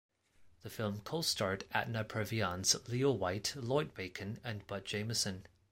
The film co-starred Edna Purviance, Leo White, Lloyd Bacon, and Bud Jamison.